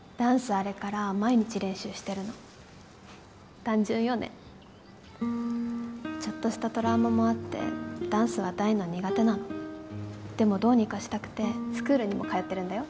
あれから毎日練習してるの単純よねちょっとしたトラウマもあってダンスは大の苦手なのでもどうにかしたくてスクールにも通ってるんだよ